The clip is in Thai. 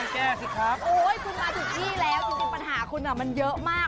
จริงปัญหาคุณมันเยอะมาก